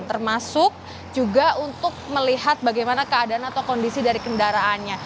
termasuk juga untuk melihat bagaimana keadaan atau kondisi dari kendaraannya